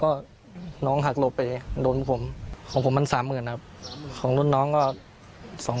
ก็น้องหักลบไปโดนผมของผมมัน๓๐๐๐๐นครของลูกน้องก็๒